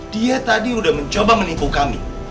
dia tadi sudah mencoba menipu kami